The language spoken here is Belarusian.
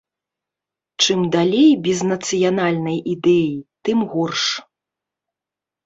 Чым далей без нацыянальнай ідэі, тым горш.